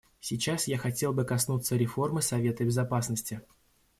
Сейчас я хотел бы коснуться реформы Совета Безопасности.